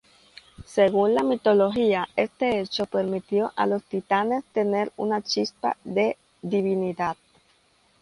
Según la mitología, este hecho permitió a los titanes tener una chispa de divinidad.